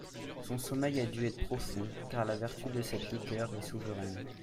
Son sommeil a dû être profond, car la vertu de cette liqueur est souveraine.